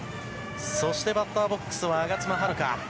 そしてバッターボックスは我妻悠香。